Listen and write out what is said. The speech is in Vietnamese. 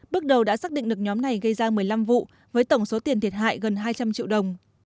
bước đầu đã xác định được nhóm này gây ra một mươi năm vụ với tổng số tiền thiệt hại gần hai trăm linh triệu đồng